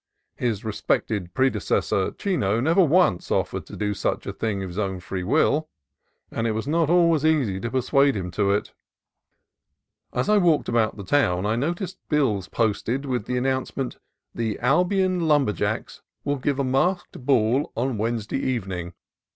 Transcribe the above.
His respected predecessor, Chino, never once of fered to do such a thing of his own free will, and it was not always easy to persuade him to it. As I walked about the town, I noticed bills posted with the announcement, "The Albion Lumber Jacks will give a Masked Ball on Wednesday Even ing.